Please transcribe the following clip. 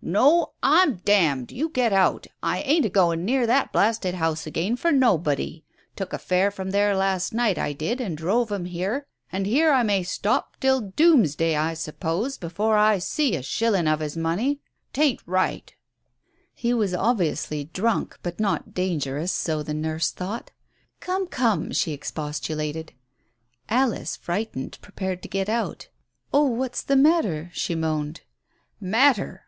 "No, I'm damned! You get out. I ain't a going near that blasted house again for nobody 1 Took a fare from there last night, I did, and drove him here, and here I may stop till Domesday, I suppose, before I sees a shilling of his money ! 'Tain't right! ..." D Digitized by Google 34 TALES OF THE UNEASY He was obviously drunk, but not dangerous, so the nurse thought. "Come, come !" she expostulated. Alice, frightened, prepared to get out. "Oh, what's the matter?" she moaned. "Matter!